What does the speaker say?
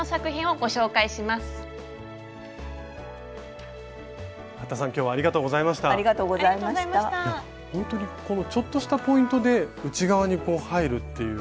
ほんとにこのちょっとしたポイントで内側にこう入るっていう